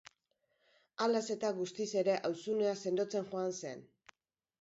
Halaz eta guztiz ere, auzunea sendotzen joan zen.